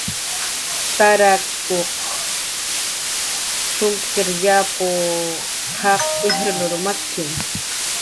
Tarakuq sumkir yapu, qaq ijrnaw jakki.